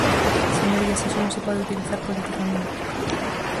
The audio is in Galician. Señorías, iso non se pode utilizar politicamente.